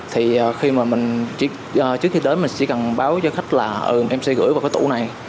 thì trước khi đến mình chỉ cần báo cho khách là em sẽ gửi vào cái tủ này